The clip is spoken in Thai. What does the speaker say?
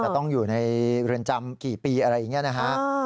ต้องอยู่ในเรือนจำกี่ปีอะไรอย่างนี้นะฮะ